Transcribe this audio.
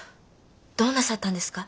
どうなさったんですか？